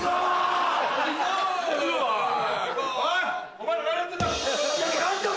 おいお前ら何やってんだ。